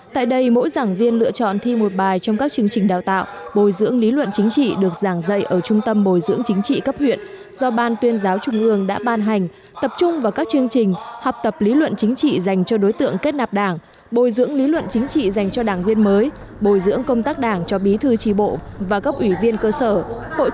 tại đây mỗi giảng viên lựa chọn thi một bài trong các chương trình đào tạo bồi dưỡng lý luận chính trị được giảng dạy ở trung tâm bồi dưỡng chính trị cấp huyện do ban tuyên giáo trung ương đã ban hành tập trung vào các chương trình hợp tập lý luận chính trị dành cho đối tượng kết nạp đảng bồi dưỡng lý luận chính trị dành cho đảng viên mới bồi dưỡng công tác đảng cho bí thư trì bộ và các ủy viên cơ sở